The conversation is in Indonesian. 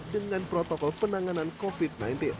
dengan protokol penanganan covid sembilan belas